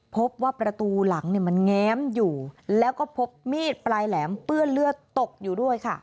พบว่าประตูหลังมันแง้มอยู่แล้วก็พบมีดปลายแหลมเปื้อนเลือดตกอยู่ด้วยค่ะ